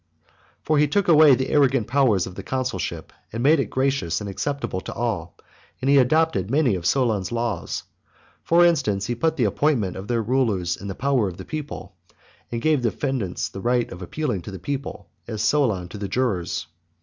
For he took away the arrogant powers of the consul ship and made it gracious and acceptable to all, and he adopted many of Solon's laws. For instance, he put the appointment of their rulers in the power of the people, and gave defendants the right of ap pealing to the people, as Solon to the jurors.